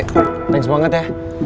thanks banget ya